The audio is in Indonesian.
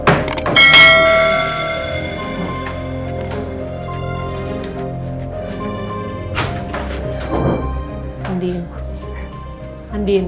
mas apa engagement